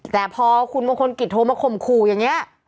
แต่พอคุณมงคลกิจโทรมาข่มขู่อย่างนี้